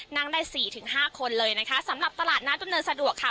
นั่งได้สี่ถึงห้าคนเลยนะคะสำหรับตลาดนัดดำเนินสะดวกค่ะ